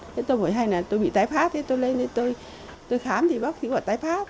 thế tôi hỏi hay là tôi bị tái phát tôi lên đi tôi khám thì bác sĩ bảo tái phát